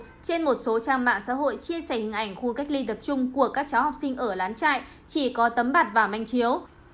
tối ngày một mươi bốn một mươi một trên một số trang mạng xã hội chia sẻ hình ảnh khu cách ly tập trung của các cháu học sinh ở lán trại chỉ có tấm bạc và manh chiếu